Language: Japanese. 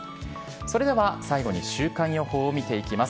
それでは最後に週間予報を見ていきます。